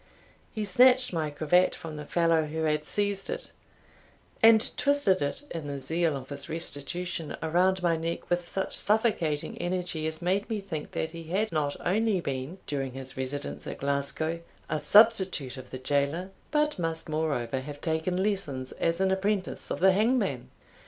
He snatched my cravat from the fellow who had seized it, and twisted it (in the zeal of his restitution) around my neck with such suffocating energy as made me think that he had not only been, during his residence at Glasgow, a substitute of the jailor, but must moreover have taken lessons as an apprentice of the hangman.